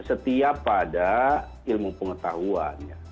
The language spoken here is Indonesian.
setia pada ilmu pengetahuan